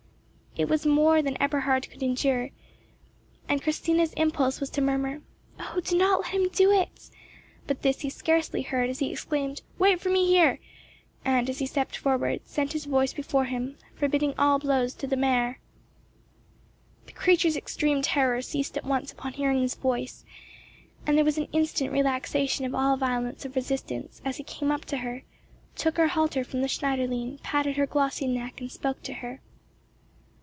It was more than Eberhard could endure, and Christina's impulse was to murmur, "O do not let him do it;" but this he scarcely heard, as he exclaimed, "Wait for me here!" and, as he stepped forward, sent his voice before him, forbidding all blows to the mare. The creature's extreme terror ceased at once upon hearing his voice, and there was an instant relaxation of all violence of resistance as he came up to her, took her halter from the Schneiderlein, patted her glossy neck, and spoke to her.